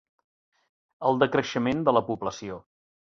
El decreixement de la població.